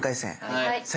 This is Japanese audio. はい。